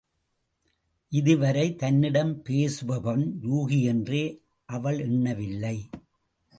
இதுவரை தன்னிடம் பேசுபவன் யூகி என்றே அவள் எண்ணவில்லை.